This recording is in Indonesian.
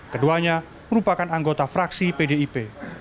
keduanya merupakan anggota fraksi pdip